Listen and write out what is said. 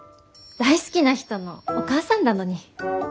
大好きな人のお母さんだのに。